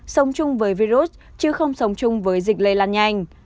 sống chung với virus chứ không sống chung với dịch lây lan nhanh